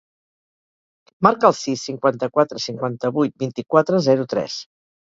Marca el sis, cinquanta-quatre, cinquanta-vuit, vint-i-quatre, zero, tres.